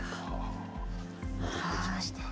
驚きました。